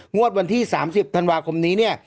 งวดวันที่๓๐ธันวาคมนี้